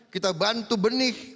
kita bantu benih